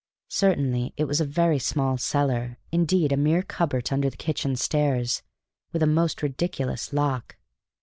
Certainly it was a very small cellar, indeed a mere cupboard under the kitchen stairs, with a most ridiculous lock.